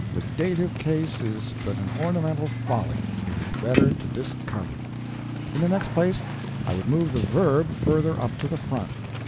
The Dative case is but an ornamental folly it is better to discard it. In the next place, I would move the Verb further up to the front.